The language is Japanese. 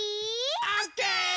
オッケー！